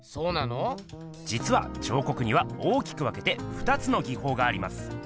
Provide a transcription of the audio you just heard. じつは彫刻には大きく分けてふたつの技法があります。